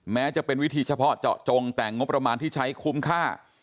แม้จะเป็นวิธีเฉพาะเจาะจงแต่งบประมาณที่ใช้คุ้มค่า